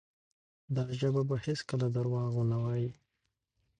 دا ژبه به هیڅکله درواغ ونه وایي.